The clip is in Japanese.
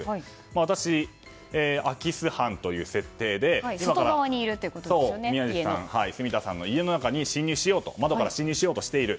私、空き巣犯という設定で宮司さん、住田さんの家の中に窓から侵入しようとしている。